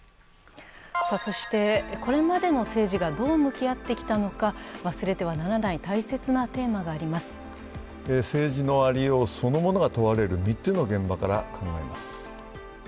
そして、これまでの政治がどう向き合ってきたのか、忘れてはならな政治のありようそのものが問われる３つの現場から考えます。